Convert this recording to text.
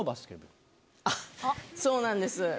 あっそうなんです。